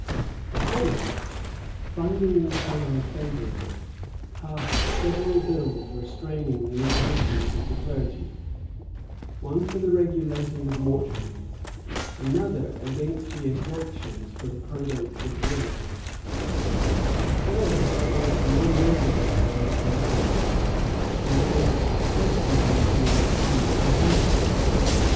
The commons, finding the occasion favorable, passed several bills restraining the impositions of the clergy; one for the regulating of mortuaries; another against the exactions for the probates of wills; [] a third against non residence and pluralities, and against church men's being farmers of land.